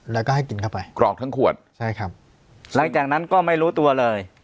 แล้วก็ให้กินเข้าไปกรอกทั้งขวดใช่ครับหลังจากนั้นก็ไม่รู้ตัวเลย